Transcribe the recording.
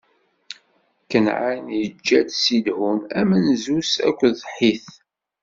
Kanɛan iǧǧa-d Ṣidun, amenzu-s, akked Ḥit.